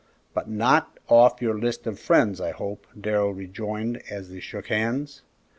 "But not off your list of friends, I hope," Darrell rejoined, as they shook hands.